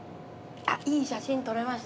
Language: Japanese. いい写真撮れました。